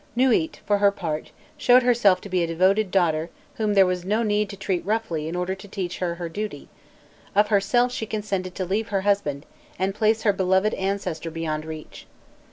Nûît, for her part, showed herself to be a devoted daughter whom there was no need to treat roughly in order to teach her her duty; of herself she consented to leave her husband, and place her beloved ancestor beyond reach.